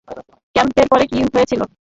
ক্যাম্পের পরে কি হয়েছিল?